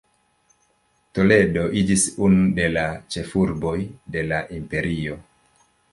Toledo iĝis unu de la ĉefurboj de la imperio.